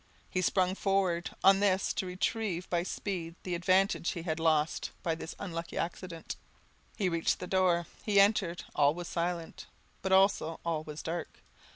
He sprung forward, on this, to retrieve by speed the advantage he had lost by this unlucky accident. He reached the door; he entered: all was silent, but also all was dark.